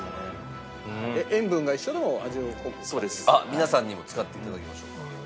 皆さんにも使っていただきましょうか。